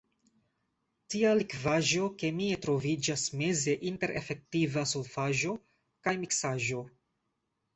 Tia likvaĵo kemie troviĝas meze inter efektiva solvaĵo kaj miksaĵo.